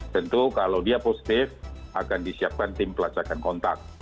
tentu kalau dia positif akan disiapkan tim pelacakan kontak